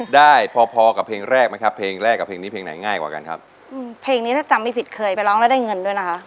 ได้พอกับเพลงแรกนะครับเพลงกับเพลงนี้เพลงไหนง่ายกว่ากันครับเพลงนี้จะจำมีผิดเคยไปลองเล่านี่นะครับคุณออยไง่หนู